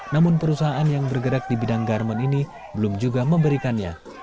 namun perusahaan yang bergerak di bidang garmen ini belum juga memberikannya